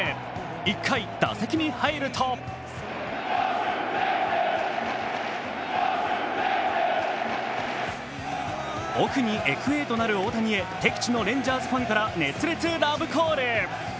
１回、打席に入るとオフにＦＡとなる大谷へ敵地のレンジャーズファンから熱烈ラブコール。